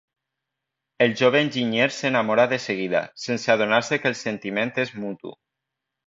El jove enginyer se n'enamora de seguida, sense adonar-se que el sentiment és mutu.